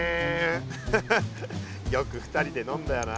フフよく２人で飲んだよな。